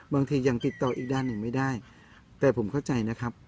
บางทียังติดต่ออีกด้านหนึ่งไม่ได้แต่ผมเข้าใจนะครับ